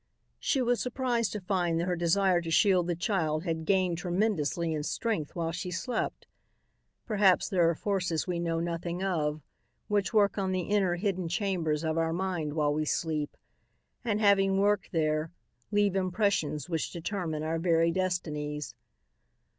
She was surprised to find that her desire to shield the child had gained tremendously in strength while she slept. Perhaps there are forces we know nothing of, which work on the inner, hidden chambers of our mind while we sleep, and having worked there, leave impressions which determine our very destinies.